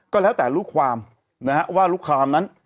ก็แล้วแต่ลูกความนะฮะว่าลูกความนั้น